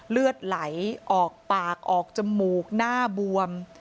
เลือดไหลออกปากออกจมูกหน้าบวม